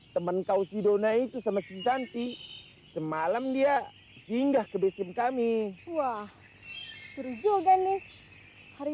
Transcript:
teman kau sidona itu sama si cantik semalam dia singgah ke dusun kami wah seru juga nih hari